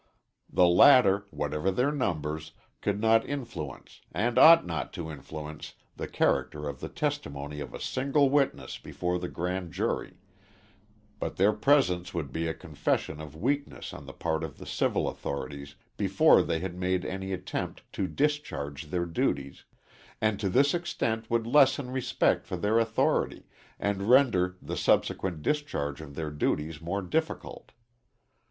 The latter, whatever their numbers, could not influence, and ought not to influence, the character of the testimony of a single witness before the grand jury, but their presence would be a confession of weakness on the part of the civil authorities before they had made any attempt to discharge their duties, and to this extent would lessen respect for their authority, and render the subsequent discharge of their duties more difficult.